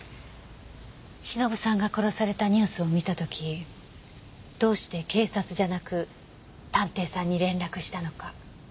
忍さんが殺されたニュースを見た時どうして警察じゃなく探偵さんに連絡したのか。